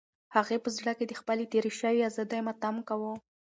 هغې په زړه کې د خپلې تېرې شوې ازادۍ ماتم کاوه.